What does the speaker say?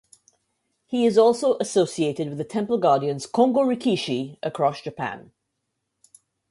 He is also associated with the temple guardians Kongo Rikishi across Japan.